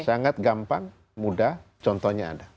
sangat gampang mudah contohnya ada